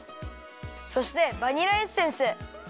そしてバニラエッセンス。